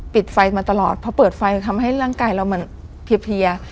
ปิดไฟมาตลอดพอเปิดไฟทำให้ร่างกายเรามันเพีย